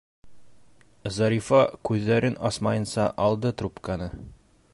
Зарифа күҙҙәрен асмайынса алды трубканы.